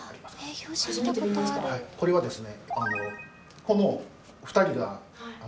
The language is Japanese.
これはですね。